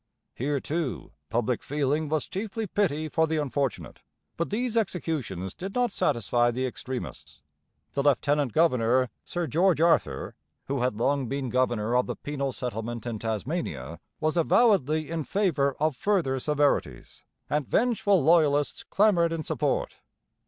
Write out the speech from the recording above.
Here, too, public feeling was chiefly pity for the unfortunate. But these executions did not satisfy the extremists. The lieutenant governor, Sir George Arthur, who had long been governor of the penal settlement in Tasmania, was avowedly in favour of further severities; and vengeful loyalists clamoured in support.